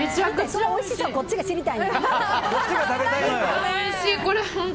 そのおいしさこっちが知りたいねん。